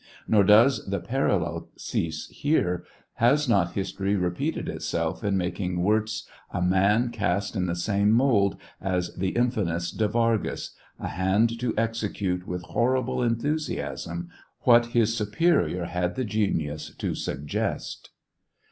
Nor does the parallel cease here ; has not history repeated itself in making Wirz a man cast in the san?e mould as the infamous De Vargas, a hand to execute with horrible enthusiasm what his superior had the genius to suggest